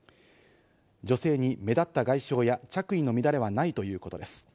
女性に目立った外傷や着衣の乱れはないということです。